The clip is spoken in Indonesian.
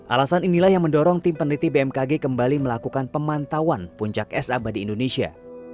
alasan inilah yang mendorong tim peneliti bmkg kembali melakukan pemantauan puncak es abadi indonesia